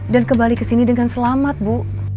dan kembali kesini dengan selamat bu